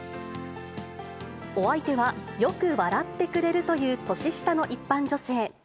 お相手はよく笑ってくれるという年下の一般女性。